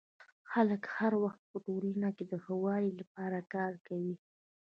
خلک هر وخت په ټولنه کي د ښه والي لپاره کار کوي.